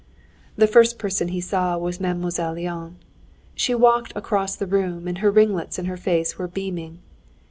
The first person he saw was Mademoiselle Linon. She walked across the room, and her ringlets and her face were beaming.